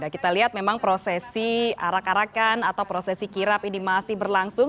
kita lihat memang prosesi arak arakan atau prosesi kirap ini masih berlangsung